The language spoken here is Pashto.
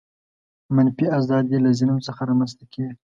منفي آزادي له ظلم څخه رامنځته کیږي.